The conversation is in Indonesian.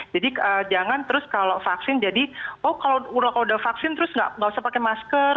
jadi jangan terus kalau vaksin jadi oh kalau udah vaksin terus nggak usah pakai masker